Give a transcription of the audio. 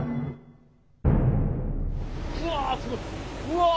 うわ！